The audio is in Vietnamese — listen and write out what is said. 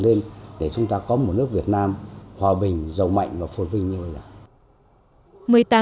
nên để chúng ta có một nước việt nam hòa bình giàu mạnh và phôn vinh như vậy là